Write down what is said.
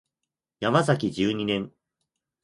ヤマザキ十二年